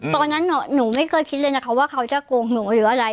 ตอนนั้นหนูไม่เคยคิดเลยนะคะว่าเขาจะโกงหนูหรืออะไร